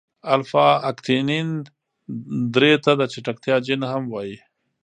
الفا اکتینین درې ته د چټکتیا جین هم وايي.